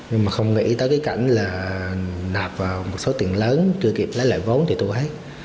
nhưng mà không nghĩ tới cái cảnh là nạp vào một số tiền lớn chưa kịp lấy lại vốn thì tôi thấy